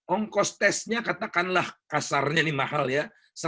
ongkos tesnya katakanlah kasarnya nih mahal ya seratus